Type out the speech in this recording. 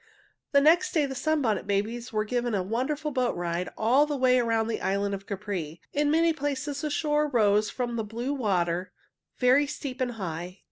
The next day the Sunbonnet Babies were given a wonderful boat ride all the way around the island of Capri. In many places the shore rose from the blue water very steep and high.